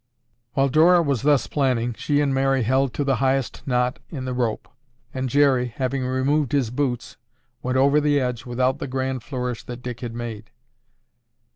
While Dora was thus planning, she and Mary held to the highest knot in the rope, and Jerry, having removed his boots, went over the edge without the grand flourish that Dick had made.